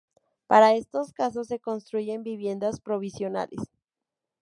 Para estos casos, se construyen viviendas provisionales.